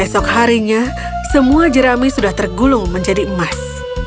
esok harinya semua jerami sudah tergulung menjadi emas